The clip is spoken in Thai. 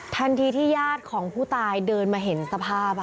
ทันทีที่ญาติของผู้ตายเดินมาเห็นสภาพ